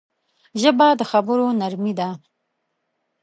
ژبه د خبرو نرمي ده